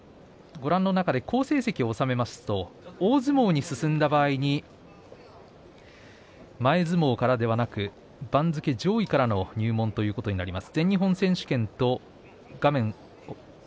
ご覧の中で好成績をおさめますと大相撲に進んだ場合に前相撲からではなく番付上位からの入門ということになります。